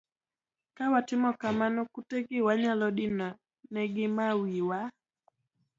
Ka watimo kamano kute gi wanyalo dino ne gi ma wiwa